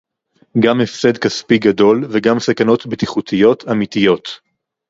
גם הפסד כספי גדול וגם סכנות בטיחותיות אמיתיות